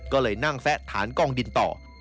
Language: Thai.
ก็เลยนั่งแฟะฐานกองดินต่อ